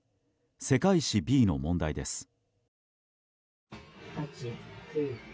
世界史Ｂの問題です。